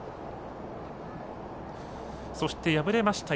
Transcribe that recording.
そして、敗れました